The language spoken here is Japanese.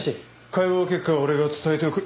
解剖結果は俺が伝えておく。